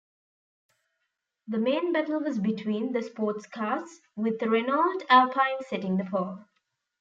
The main battle was between the sportscars, with a Renault Alpine setting the pole.